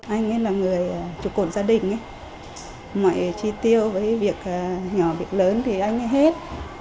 anh ấy là người trụ cột gia đình ngoại tri tiêu với việc nhỏ việc lớn thì anh ấy hết